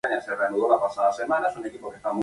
Se parece mucho a una galaxia elíptica.